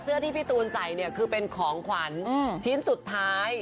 ที่พี่ตูนใส่เนี่ยคือเป็นของขวัญชิ้นสุดท้าย